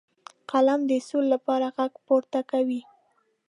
قلم د سولې لپاره غږ پورته کوي